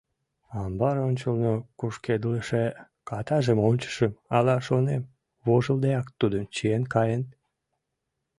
Амбар ончылно кушкедлыше катажым ончышым, ала, шонем, вожылдеак тудым чиен каен?